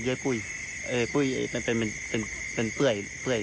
เย็ดปุ้ยเป็นเปลือย